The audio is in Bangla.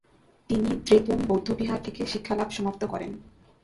তিনি দ্রেপুং বৌদ্ধবিহার থেকে শিক্ষালাভ সমাপ্ত করেন।